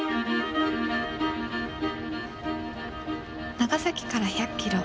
長崎から１００キロ